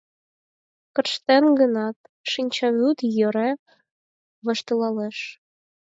Корштен гынат, шинчавӱд йӧре воштылалеш.